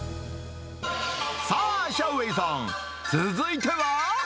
さあ、シャウ・ウェイさん、続いては？